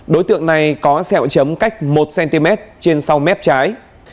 đối tượng này có sẹo chấm cách một cm trên sau mép trái